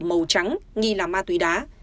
đầu trắng nghi là ma túy đá